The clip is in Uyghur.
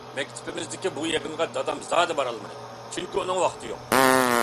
مەكتىپىمىزدىكى بۇ يىغىنغا دادام زادى بارالمايدۇ، چۈنكى ئۇنىڭ ۋاقتى يوق.